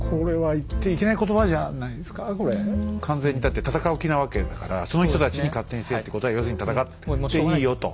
完全にだって戦う気なわけだからその人たちに勝手にせえって言うことは要するに戦っていいよと。